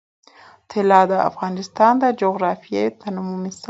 طلا د افغانستان د جغرافیوي تنوع مثال دی.